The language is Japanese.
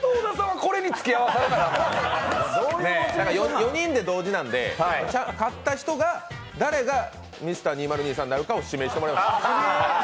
４人で同じなので勝った人が誰がＭｒ．２０２３になるか指名してもらいます。